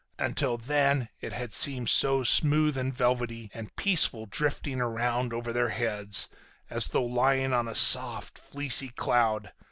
Until then it had seemed so smooth and velvety and peaceful drifting around over their heads, as though lying on a soft, fleecy cloud.